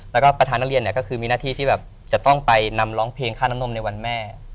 แล้วก็ประธานนักเรียนเนี่ยก็คือมีหน้าที่ที่แบบจะต้องไปนำร้องเพลงค่าน้ำนมในวันแม่